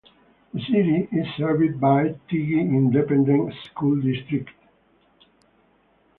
The city is served by the Teague Independent School District.